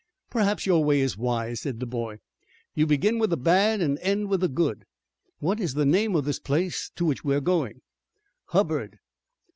"Perhaps your way is wise," said the boy. "You begin with the bad and end with the good. What is the name of this place to which we are going?" "Hubbard.